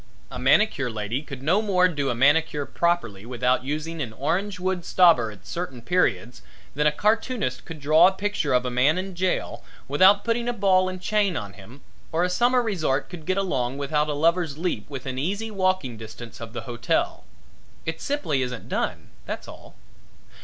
A manicure lady could no more do a manicure properly without using an orange wood stobber at certain periods than a cartoonist could draw a picture of a man in jail without putting a ball and chain on him or a summer resort could get along without a Lover's Leap within easy walking distance of the hotel. It simply isn't done, that's all.